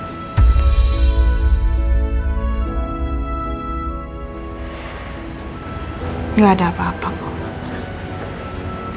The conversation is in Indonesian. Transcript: tidak ada apa apa kok